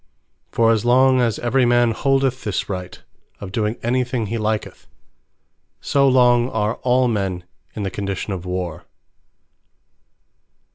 For as long as every man holdeth this Right, of doing any thing he liketh; so long are all men in the condition of Warre.